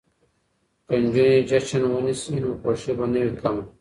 که نجونې جشن ونیسي نو خوښي به نه وي کمه.